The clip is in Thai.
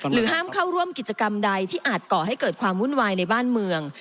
ห้ามเข้าร่วมกิจกรรมใดที่อาจก่อให้เกิดความวุ่นวายในบ้านเมือง